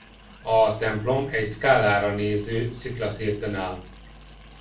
A templom egy Scalára néző sziklaszirten áll.